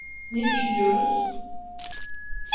Ne düşünüyoruz?